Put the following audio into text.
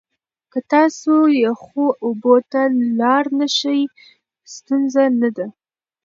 که تاسو یخو اوبو ته لاړ نشئ، ستونزه نه ده.